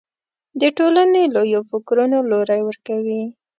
د ټولنې لویو فکرونو لوری ورکوي